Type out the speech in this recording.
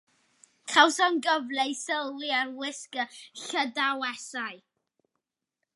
Cawsom gyfle i sylwi ar wisg y Llydawesau.